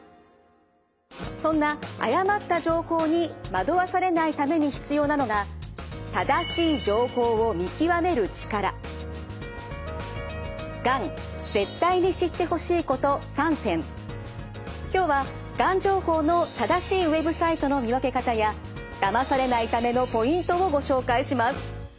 そんな誤った情報に惑わされないために必要なのが今日はがん情報の正しいＷＥＢサイトの見分け方やだまされないためのポイントをご紹介します。